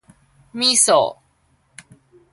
味噌